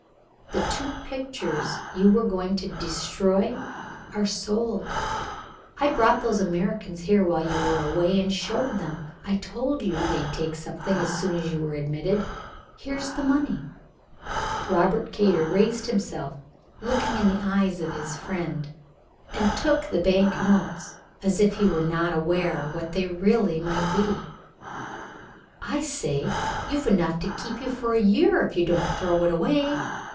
The two pictures you were going to destroy are sold. I brought those Americans here while you were away and showed them. I told you they'd take something as soon as you were admitted. Here's the money." Robert Kater raised himself, looking in the eyes of his friend, and took the bank notes as if he were not aware what they really might be. "I say! You've enough to keep you for a year if you don't throw it away.